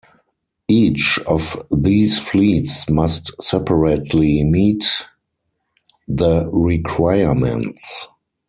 Each of these fleets must separately meet the requirements.